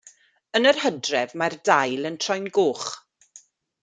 Yn yr hydref mae'r dail yn troi'n goch.